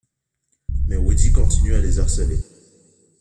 Mais Woody continue à les harceler.